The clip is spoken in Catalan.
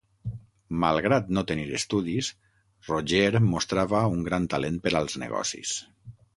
Malgrat no tenir estudis, Roger mostrava un gran talent per als negocis.